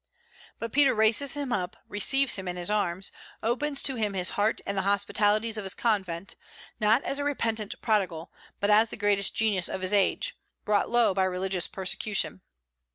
But Peter raises him up, receives him in his arms, opens to him his heart and the hospitalities of his convent, not as a repentant prodigal, but as the greatest genius of his age, brought low by religious persecution.